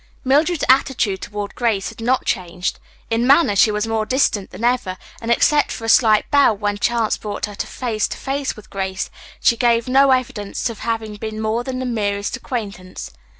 Mildred's attitude toward Grace had not changed. In manner she was more distant than ever, and except for a slight bow when chance brought her face to face with Grace, she gave no other evidence of having been more than the merest acquaintance.